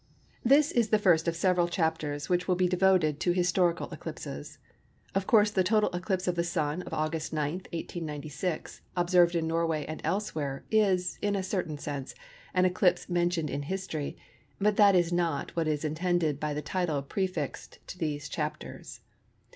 This is the first of several chapters which will be devoted to historical eclipses. Of course the total eclipse of the Sun of August 9, 1896, observed in Norway and elsewhere, is, in a certain sense, an eclipse mentioned in history, but that is not what is intended by the title prefixed to these chapters.